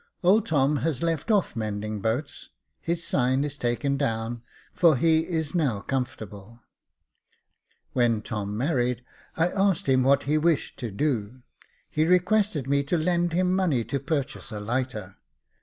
Old Tom has left off mending boats, his sign is taken down, for he is now comfortable. When Tom married, I asked him what he wished to do : he requested me to lend him money to purchase a lighter.